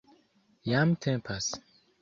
Jam tempas